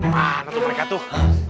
mana tuh mereka tuh